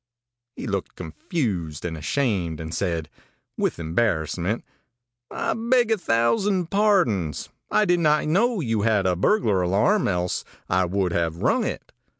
ãHe looked confused and ashamed, and said, with embarrassment: 'I beg a thousand pardons. I did not know you had a burglar alarm, else I would have rung it.